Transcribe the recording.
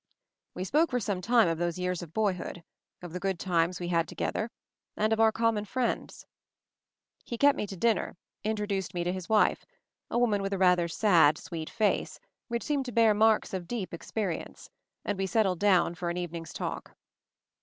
We spoke for some time of those years of boyhood ; of the good times we had had together; of our common friends. He kept me to dinner; introduced me to his wife, a woman with a rather sad, sweet face, which seemed to bear marks of deep ex perience; and we settled down for an even ing's talk.